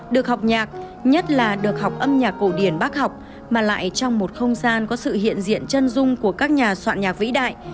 được học nhạc nhất là được học âm nhạc cổ điển bác học mà lại trong một không gian có sự hiện diện chân dung của các nhà soạn nhạc vĩ đại